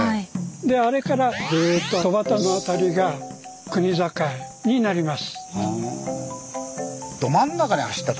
あれからずっと戸畑の辺りが国境になります。